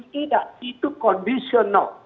tidak itu conditional